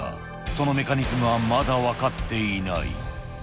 そのメカニズムはまだ分かっていない。